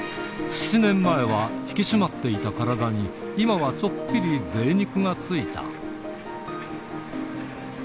７年前は引き締まっていた体に、今はちょっぴりぜい肉がついた。